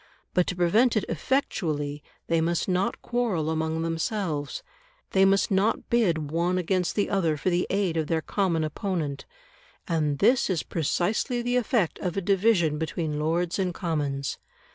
But to prevent it effectually, they must not quarrel among themselves; they must not bid one against the other for the aid of their common opponent. And this is precisely the effect of a division between Lords and Commons.